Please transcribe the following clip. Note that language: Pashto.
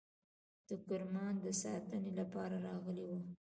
د کرمان د ساتنې لپاره راغلي وه.